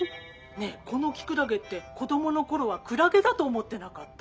ねえこのキクラゲって子どもの頃はクラゲだと思ってなかった？